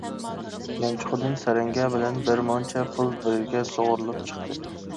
يانچۇقىدىن سەرەڭگە بىلەن بىر مۇنچە پۇل بىرگە سۇغۇرۇلۇپ چىقتى.